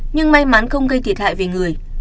nhưng may mắn không gây thiệt hại về người